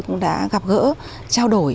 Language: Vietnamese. cũng đã gặp gỡ trao đổi